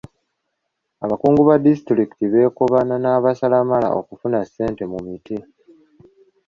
Abakungu ba disitulikiti beekobaana n'abasalamala okufuna ssente mu miti.